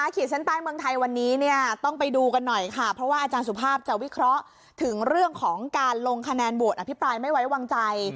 ขีดเส้นใต้เมืองไทยวันนี้เนี่ยต้องไปดูกันหน่อยค่ะเพราะว่าอาจารย์สุภาพจะวิเคราะห์ถึงเรื่องของการลงคะแนนโหวตอภิปรายไม่ไว้วางใจ